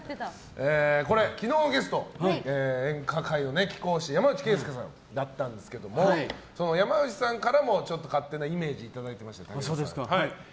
昨日のゲスト演歌歌謡の貴公子山内惠介さんだったんですけども山内さんからも勝手なイメージをいただきました。